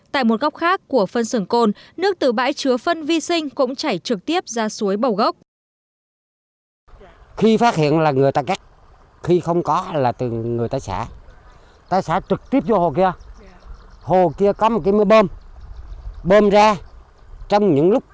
tại một góc khác của phân xưởng cồn nước từ bãi chứa phân vi sinh cũng chảy trực tiếp ra suối bầu gốc